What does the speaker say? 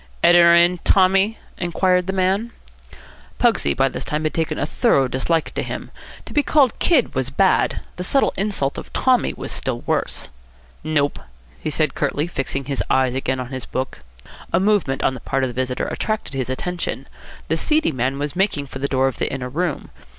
"Editor in, Tommy?" inquired the man. Pugsy by this time had taken a thorough dislike to him. To be called "kid" was bad. The subtle insult of "Tommy" was still worse. "Nope," he said curtly, fixing his eyes again on his book. A movement on the part of the visitor attracted his attention. The seedy man was making for the door of the inner room.